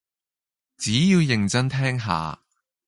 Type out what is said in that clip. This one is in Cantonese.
只要認真聽下